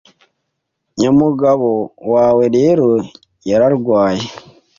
Nyamugabo wawe rero yararwaye